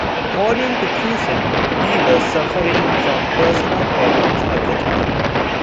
According to Krusen, he was suffering from personal problems at the time.